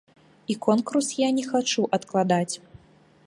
І конкурс я не хачу адкладаць.